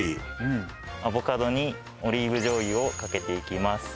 アボカドにオリーブ醤油をかけていきます